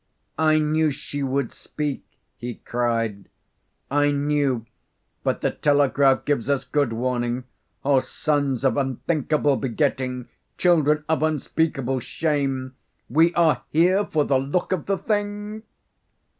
"I knew she would speak," he cried. "I knew, but the telegraph gives us good warning. O sons of unthinkable begetting children of unspeakable shame are we here for the look of the thing?"